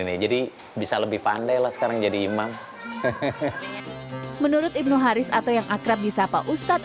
ini jadi bisa lebih pandai lah sekarang jadi imam menurut ibnu haris atau yang akrab di sapa ustadz